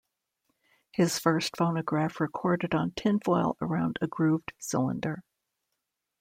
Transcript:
His first phonograph recorded on tinfoil around a grooved cylinder.